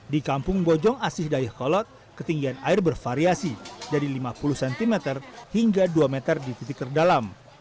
di kampung bojong asih dayakolot ketinggian air bervariasi dari lima puluh cm hingga dua meter di titik terdalam